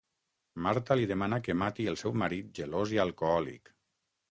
Marta li demana que mati el seu marit gelós i alcohòlic.